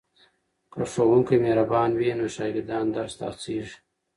که ښوونکی مهربان وي نو شاګردان درس ته هڅېږي.